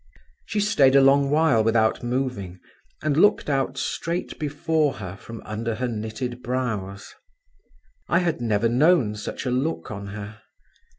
She stayed a long while without moving, and looked out straight before her from under her knitted brows. I had never known such a look on her.